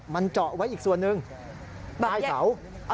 มันเจาะไว้อีกส่วนหนึ่งใต้เสา